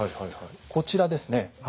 こちらですね。